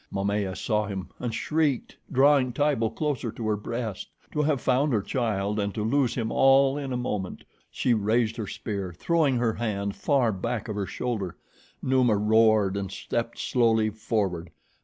Momaya saw him and shrieked, drawing Tibo closer to her breast. To have found her child and to lose him, all in a moment! She raised her spear, throwing her hand far back of her shoulder. Numa roared and stepped slowly forward.